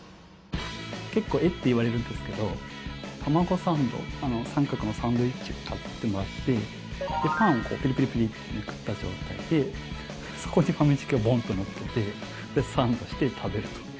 結構えっ！って言われるんですけどたまごサンド三角のサンドイッチを買ってもらってパンをペリペリペリッとめくった状態でそこにファミチキをボンと乗っけてサンドして食べると。